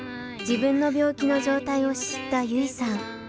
自分の病気の状態を知った優生さん。